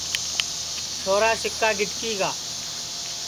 چھورا سِکا گِٹکِی گا